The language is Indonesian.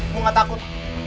gue nggak takut